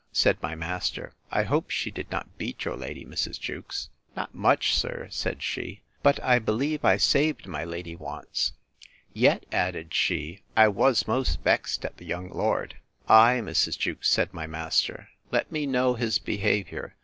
Said my master, I hope she did not beat your lady, Mrs. Jewkes? Not much, sir, said she; but I believe I saved my lady once: Yet, added she, I was most vexed at the young lord. Ay, Mrs. Jewkes, said my master, let me know his behaviour.